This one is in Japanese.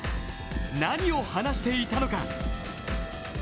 何を話していたのか。